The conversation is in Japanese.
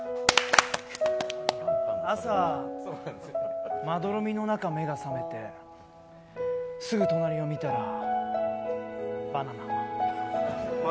朝、まどろみの中、目が覚めてすぐ隣を見たら、バナナ。